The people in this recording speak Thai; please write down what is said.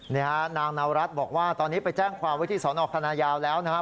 นี่ฮะนางนาวรัฐบอกว่าตอนนี้ไปแจ้งความไว้ที่สนคณะยาวแล้วนะครับ